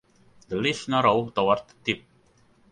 The leaves narrow towards the tip.